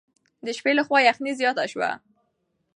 د شپې له خوا یخني زیاته شوه.